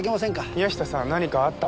宮下さん何かあったんですか？